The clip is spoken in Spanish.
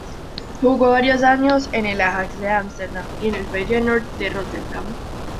Jugó varios años en el Ajax de Ámsterdam y en el Feyenoord de Róterdam.